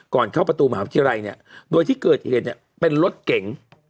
เข้าประตูมหาวิทยาลัยเนี่ยโดยที่เกิดเหตุเนี่ยเป็นรถเก๋ง